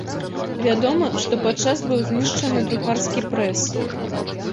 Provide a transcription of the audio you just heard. Вядома, што падчас быў знішчаны друкарскі прэс.